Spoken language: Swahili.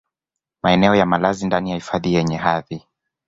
maeneo ya malazi ndani ya hifadhi yenye hadhi